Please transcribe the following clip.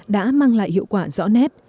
đã mang lại hiệu quả rõ nét